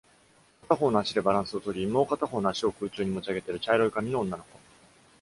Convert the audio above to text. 片方の足でバランスをとり、もう片方の足を空中に持ち上げている茶色い髪の女の子。